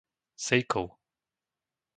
Sejkov